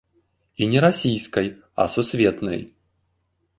І не расійскай, а сусветнай.